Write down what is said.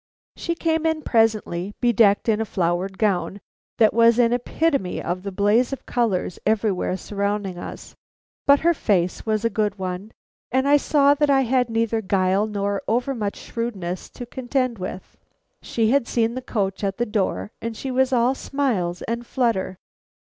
She came in presently, bedecked in a flowered gown that was an epitome of the blaze of colors everywhere surrounding us; but her face was a good one, and I saw that I had neither guile nor over much shrewdness to contend with. She had seen the coach at the door, and she was all smiles and flutter.